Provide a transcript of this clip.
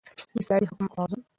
داسلامي حكومت موضوع